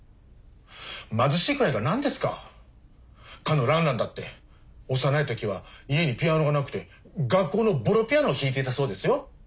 貧しいくらいが何ですかかのラン・ランだって幼い時は家にピアノがなくて学校のぼろピアノを弾いていたそうですよ。